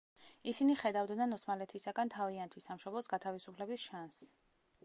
ისინი ხედავდნენ ოსმალეთისაგან თავიანთი სამშობლოს გათავისუფლების შანსს.